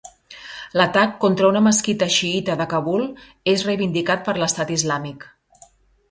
L'atac contra una mesquita xiïta de Kabul és reivindicat per l'Estat Islàmic.